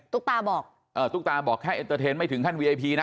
ตุ๊กตาบอกตุ๊กตาบอกแค่เอ็นเตอร์เทนไม่ถึงขั้นวีไอพีนะ